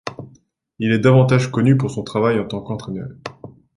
Il est davantage connu pour son travail en tant qu'entraîneur.